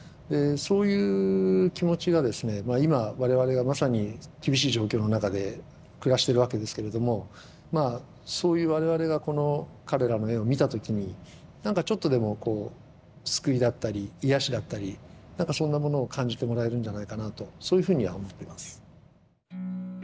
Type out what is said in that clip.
今我々がまさに厳しい状況の中で暮らしてるわけですけれどもまあそういう我々がこの彼らの絵を見た時に何かちょっとでもこう救いだったり癒しだったり何かそんなものを感じてもらえるんじゃないかなとそういうふうには思ってます。